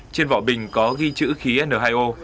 trên vỏ bình có ghi chữ khí n hai o